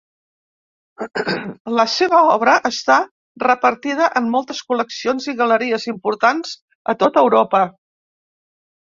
La seva obra està repartida en moltes col·leccions i galeries importants a tot Europa.